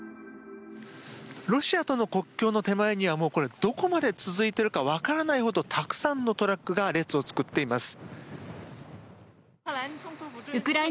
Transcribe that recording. ロシアとの国境の手前にはどこまで続いているのか分からないほどたくさんのトラックが列を作っています。